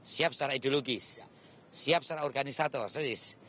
siap secara ideologis siap secara organisator serius